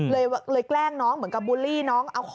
แกล้งน้องเหมือนกับบูลลี่น้อง